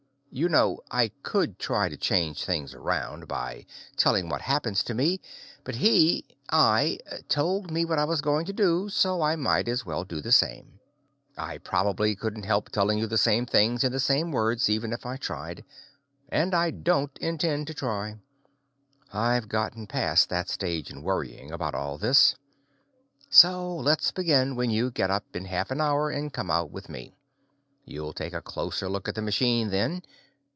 You know, I could try to change things around by telling what happened to me; but he I told me what I was going to do, so I might as well do the same. I probably couldn't help telling you the same thing in the same words, even if I tried and I don't intend to try. I've gotten past that stage in worrying about all this. So let's begin when you get up in half an hour and come out with me. You'll take a closer look at the machine, then.